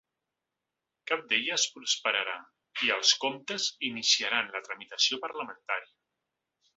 Cap d’elles prosperarà i els comptes iniciaran la tramitació parlamentària.